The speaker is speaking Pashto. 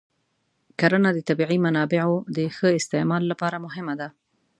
کرنه د طبیعي منابعو د ښه استعمال لپاره مهمه ده.